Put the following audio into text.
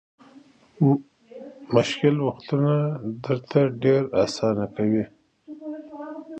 مشکل وختونه درته ډېر اسانه کوي.